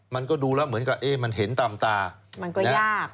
มันก็ดูแล้วเหมือนกับเอ๊ะมันเห็นตามตามันก็ยาก